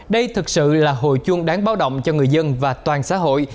đây thật sự là hồi chuông đáng báo động cho người dân và toàn xã hội